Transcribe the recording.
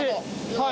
はい。